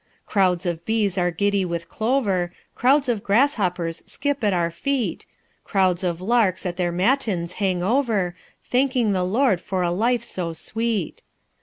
"Crowds of bees are giddy with clover, Crowds of grasshoppers skip at our feet, Crowds of larks at their matins hang over, Thanking the Lord for a life so sweet.